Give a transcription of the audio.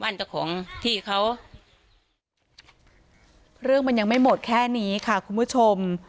เจ้าของที่เขาเรื่องมันยังไม่หมดแค่นี้ค่ะคุณผู้ชม